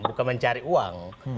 bukan mencari uang